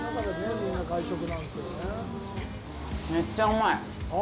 めっちゃうまい！